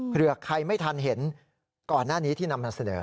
เผื่อใครไม่ทันเห็นก่อนหน้านี้ที่นำมาเสนอ